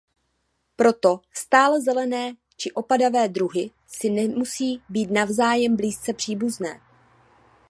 Proto stálezelené či opadavé druhy si nemusí být navzájem blízce příbuzné.